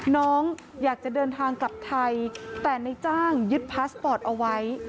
น้องอยากจะเดินทางกลับไทยแต่ในจ้างยึดพาสปอร์ตเอาไว้